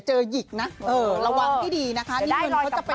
ให้เขาเอาไปเดินร้อยสองร้อย